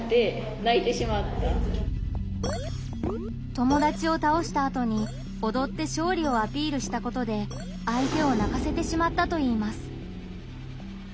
友達を倒したあとにおどって勝利をアピールしたことで相手を泣かせてしまったといいます。